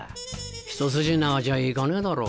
一筋縄じゃいかねえだろう。